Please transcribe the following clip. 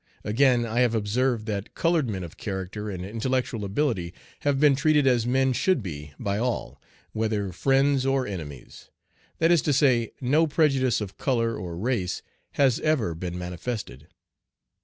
Again, I have observed that colored men of character and intellectual ability have been treated as men should be by all, whether friends or enemies; that is to say, no prejudice of color or race has ever been manifested.